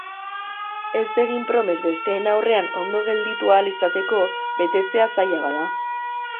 Ez egin promes besteen aurrean ondo gelditu ahal izateko, betetzea zaila bada.